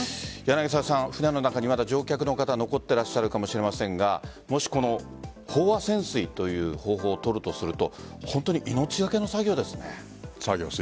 船の中にまだ乗客の方残っていらっしゃるかもしれませんがもし飽和潜水という方法を取るとすると本当に命がけの作業ですね。